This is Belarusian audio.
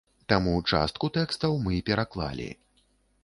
Таму частку тэкстаў мы пераклалі.